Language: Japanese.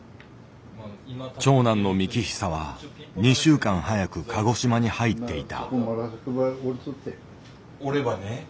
長男の幹久は２週間早く鹿児島に入っていた。